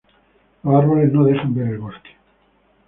Los árboles no dejan ver el bosque